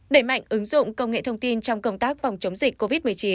đẩy mạnh ứng dụng công nghệ thông tin trong công tác phòng chống dịch covid một mươi chín